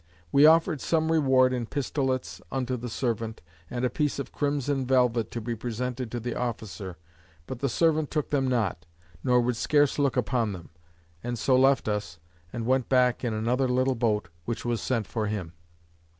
We offered some reward in pistolets unto the servant, and a piece of crimson velvet to be presented to the officer; but the servant took them not, nor would scarce look upon them; and so left us, and went back in another little boat, which was sent for him.